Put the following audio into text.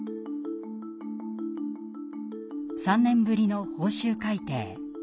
３年ぶりの報酬改定。